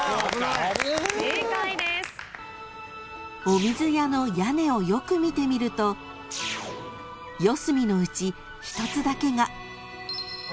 ［御水舎の屋根をよく見てみると四隅のうち１つだけが］